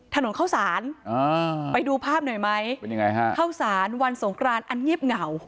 ถนนเข้าสารไปดูภาพหน่อยไหมวันสองกรานอันเงียบเหงา